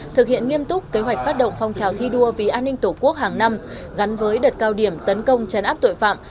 thực hiện nghiêm túc kế hoạch phát động phong trào thi đua vì an ninh tổ quốc hàng năm gắn với đợt cao điểm tấn công chấn áp tội phạm